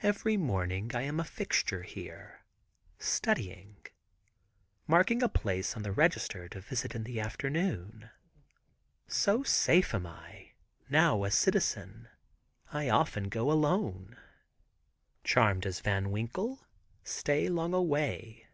Every morning I am a fixture here, studying, marking a place on the register to visit in the afternoon. So safe am I, now a citizen, I often go alone. Charmed as "Van Winkle," stay long away.